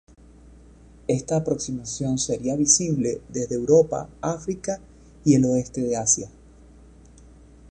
Esta aproximación será visible desde Europa, África y el oeste de Asia.